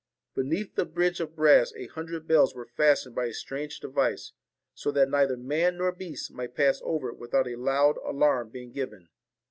Beneath the bridge of brass a hundred bells were fastened by a strange device, so that neither man nor beast might pass over without a loud alarm being given.